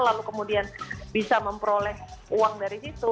lalu kemudian bisa memperoleh uang dari situ